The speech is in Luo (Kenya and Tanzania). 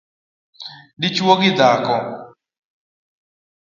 dichwo gi dhako